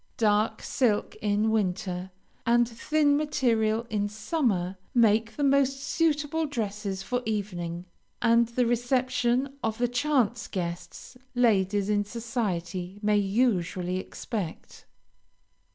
Dark silk in winter, and thin material in summer, make the most suitable dresses for evening, and the reception of the chance guests ladies in society may usually expect.